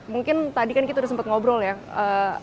mungkin tadi kan kita udah sempat ngobrol ya